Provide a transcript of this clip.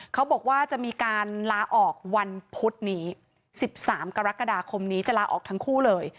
เขาบอกว่าจะมีการลาออกวันพุธนี้๑๓กรกฎาคมนี้จะลาออกทั้งคู่เลย